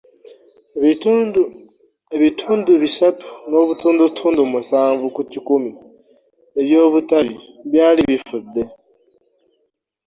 Ebitundu bisatu n'obutundutundu musanvu ku kikumi eby’obutabi byali bifudde.